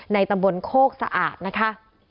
ตำบลโคกสะอาดนะคะ